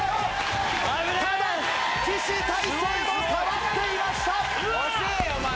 ただ岸大誠も触っていました。